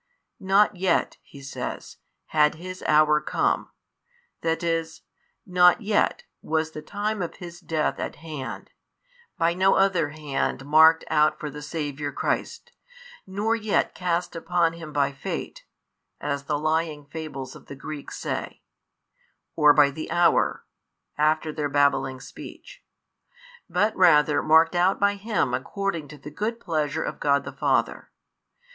Not yet, he says, had His hour come, that is, not yet was the time of His Death at hand, |578 by no other hand marked out for the Saviour Christ, nor yet cast upon Him by fate (as the lying fables of the Greeks say) or by the hour (after their babbling speech), but rather marked out by Him according to the good pleasure of God the Father.